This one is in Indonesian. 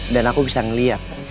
dan aku bisa ngeliat